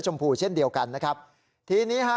ชมพูเช่นเดียวกันนะครับทีนี้ฮะ